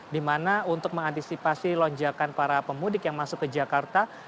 di mana untuk mengantisipasi lonjakan para pemudik yang masuk ke jakarta